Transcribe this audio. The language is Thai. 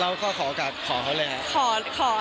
เราก็ขอโอกาสขอเขาเลยค่ะ